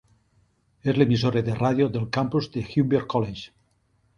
És l'emissora de ràdio del campus del Humber College.